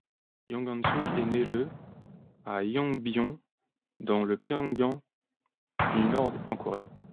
Jung Hansuk est né le à Yongbyon dans le Pyongan du Nord en Corée.